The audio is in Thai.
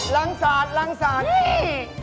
รังศาสตร์นี่